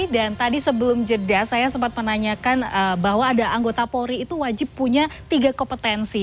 dan tadi sebelum jeda saya sempat menanyakan bahwa ada anggota polri itu wajib punya tiga kompetensi